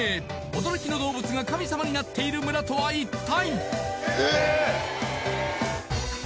驚きの動物が神様になっている村とは一体？